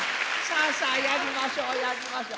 さあさあやりましょうやりましょう。